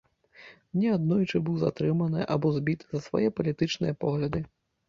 Неаднойчы быў затрыманы або збіты за свае палітычныя погляды.